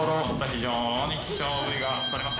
非常に希少部位がとれました！